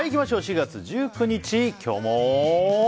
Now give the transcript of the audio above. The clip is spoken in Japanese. ４月１９日、今日も。